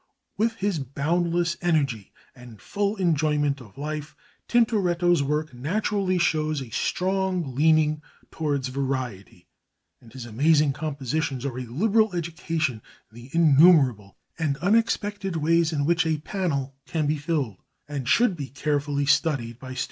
With his boundless energy and full enjoyment of life, Tintoretto's work naturally shows a strong leaning towards variety, and his amazing compositions are a liberal education in the innumerable and unexpected ways in which a panel can be filled, and should be carefully studied by students.